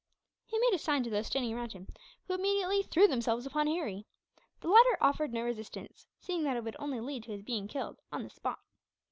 He made a sign to those standing round him, who immediately threw themselves upon Harry. The latter offered no resistance, seeing that it would only lead to his being killed, on the spot.